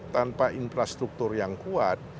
tanpa infrastruktur yang kuat